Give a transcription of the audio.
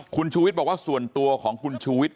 คุณชูวิทย์บอกว่าส่วนตัวของคุณชูวิทย